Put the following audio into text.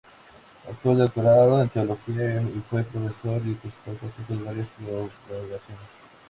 Obtuvo el doctorado en teología y fue profesor y consultor pontificio de varias congregaciones.